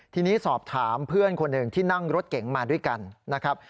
ทีนี้สอบถามเพื่อนคนหนึ่งที่นั่งรถเก๋งมาด้วยกันนะครับ